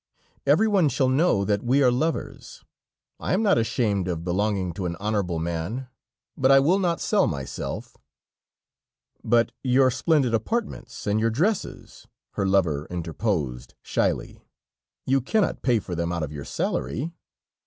Everyone shall know that we are lovers. I am not ashamed of belonging to an honorable man, but I will not sell myself." "But your splendid apartments, and your dresses," her lover interposed shyly, "you cannot pay for them out of your salary."